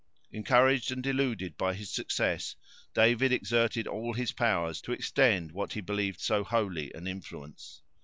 Encouraged and deluded by his success, David exerted all his powers to extend what he believed so holy an influence.